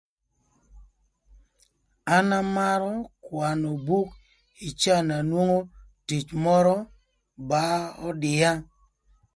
An amarö kwanö buk ï caa na nwongo tic mörö ba ödïa.